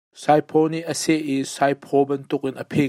Saiphaw nih a ka seh i sawiphaw bantuk in a phing.